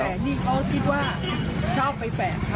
แต่นี่เขาคิดว่าชอบไปแปะเขา